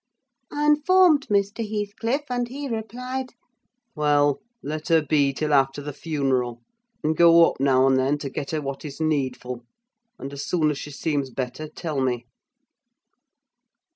I informed Mr. Heathcliff, and he replied,—'Well, let her be till after the funeral; and go up now and then to get her what is needful; and, as soon as she seems better, tell me.